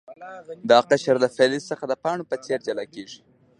دا قشر له فلز څخه د پاڼو په څیر جلا کیږي.